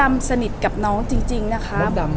ไม่ทราบเลยครับ